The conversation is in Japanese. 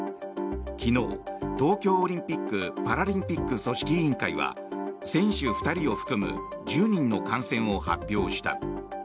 昨日、東京オリンピック・パラリンピック組織委員会は選手２人を含む１０人の感染を発表した。